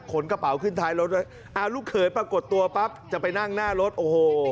กระเป๋าขึ้นท้ายรถไว้อ่าลูกเขยปรากฏตัวปั๊บจะไปนั่งหน้ารถโอ้โห